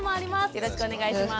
よろしくお願いします。